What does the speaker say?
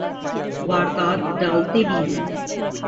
واردات ڈالتے بھی ہیں۔